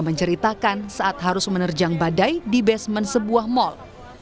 menceritakan saat harus menerjang badai di basement sebuah mal